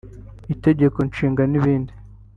Itegeko Nshinga n’ibindi